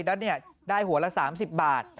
แล้วได้หัวละ๓๐บาท